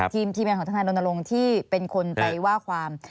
ทีมแมนของทนายโดนโนรงที่เป็นคนไปว่าความ